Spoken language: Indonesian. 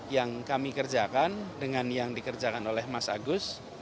yang kami kerjakan dengan yang dikerjakan oleh mas agus